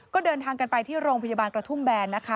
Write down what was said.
ก็เดินทางกันไปที่โรงพยาบาลกระทุ่มแบนนะคะ